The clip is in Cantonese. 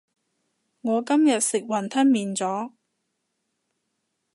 我今日食雲吞麵咗